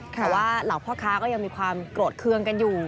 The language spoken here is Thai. แต่ว่าเหล่าพ่อค้าก็ยังมีความโกรธเครื่องกันอยู่